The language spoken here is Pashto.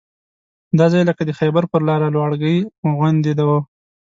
دا ځای لکه د خیبر پر لاره لواړګي غوندې وو.